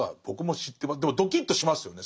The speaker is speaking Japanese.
でもドキッとしますよね。